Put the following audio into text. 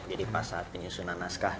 jadi pas saat menyusunan naskah